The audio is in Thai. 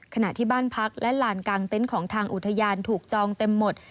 ขณะที่บ้านพักและลานกลางเต็นต์ของทางอุทยานถูกจองเต็มหมด